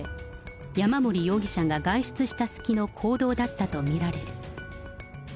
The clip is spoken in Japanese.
山森容疑者が外出したすきの行動だったと見られる。